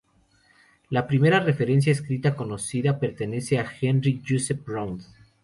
La primera referencia escrita conocida pertenece a Henry Joseph Round.